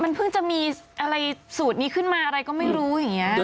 มันเพิ่งจะมีอะไรสูตรนี้ขึ้นมาอะไรก็ไม่รู้อย่างนี้